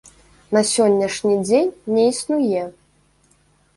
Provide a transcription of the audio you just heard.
На сённяшні дзень не існуе.